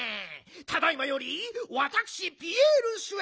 ただいまよりわたくしピエールしゅ